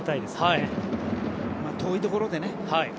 まあ、遠いところでね。